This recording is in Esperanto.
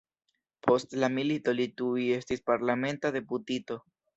Post la milito li tuj estis parlamenta deputito.